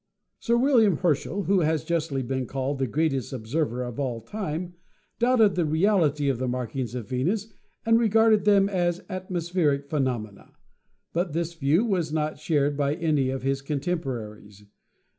Sir William Herschel, who has justly been called the greatest observer of all time, doubted the reality of the markings of Venus and regarded them as at mospheric phenomena, but this view was not shared by any of his contemporaries.